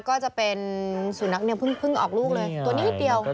ก็จะเป็นสุนัขเนี่ยเพิ่งออกลูกเลยตัวนี้นิดเดียว